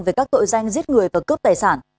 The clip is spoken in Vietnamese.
về các tội danh giết người và cướp tài sản